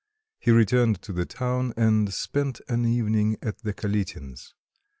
He returned to the town and spent an evening at the Kalitins'.